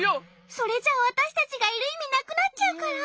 それじゃあわたしたちがいるいみなくなっちゃうから。